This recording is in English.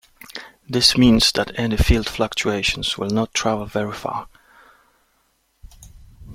This means that any field fluctuations will not travel very far.